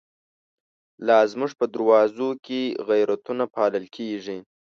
لا زمونږ په دروازو کی، غیرتونه پا لل کیږی